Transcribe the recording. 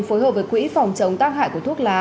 phối hợp với quỹ phòng chống tác hại của thuốc lá